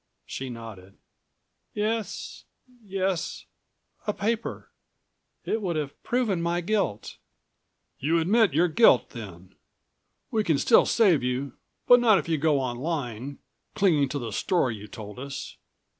She nodded. "Yes ... yes ... a paper. It would have proven my guilt." "You admit your guilt then? We can still save you, but not if you go on lying, clinging to the story you told us.